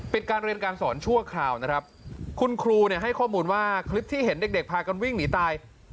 การเรียนการสอนชั่วคราวนะครับคุณครูเนี่ยให้ข้อมูลว่าคลิปที่เห็นเด็กเด็กพากันวิ่งหนีตาย